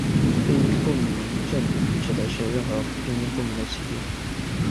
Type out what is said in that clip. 病因不明症指的是任何病因不明的疾病。